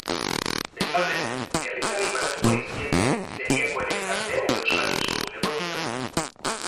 Bestalde, herritarrei banatuko dizkiete, zeliakoen elkarteen eta euskal turismo bulegoen bitartez.